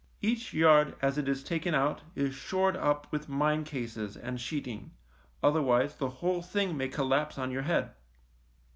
Each yard as it is taken out is shored up with mine cases and sheeting, other wise the whole thing may collapse on your head.